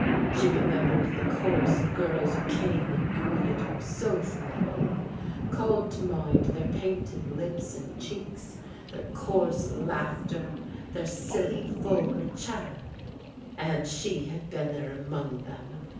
She remembered the coarse girls who came and greeted her so familiarly, called to mind their painted lips and cheeks, their coarse Jaughter, their silly vulgar chatter. And she had been there among them.